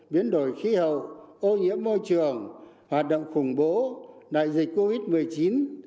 biến đổi khí hậu ô nhiễm môi trường hoạt động khủng bố đại dịch covid một mươi chín